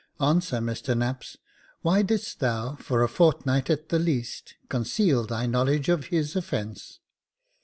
" Answer, Mr Knapps, why didst thou, for a fortnight at the least, conceal thy knowledge of his offence